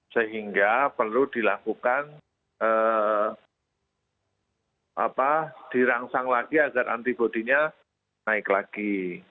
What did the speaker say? sehingga perlu dilakukan dirangsang lagi agar antibodinya naik lagi